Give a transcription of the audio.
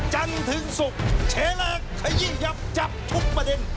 จันทร์ถึงศุกร์เชลากขยี้ยับจับทุกประเด็น